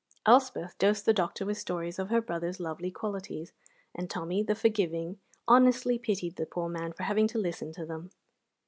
Elspeth dosed the doctor with stories of her brother's lovely qualities, and Tommy, the forgiving, honestly pitied the poor man for having to listen to them.